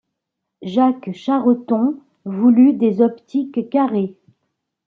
Jacques Charreton voulut des optiques carrées.